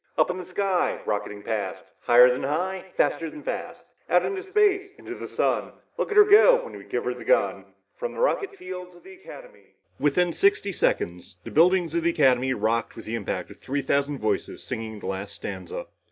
_ _Up in the sky, rocketing past Higher than high, faster than fast, Out into space, into the sun Look at her go when we give her the gun._ From the rocket fields of the...." Within sixty seconds, the buildings of the Academy rocked with the impact of three thousand voices singing the last stanza.